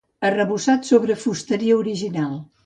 Arrebossat sobre la fusteria original.